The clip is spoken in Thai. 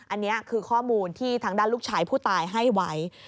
อันนี้คือข้อมูลที่ทางด้านลูกชายผู้ตายให้ไว้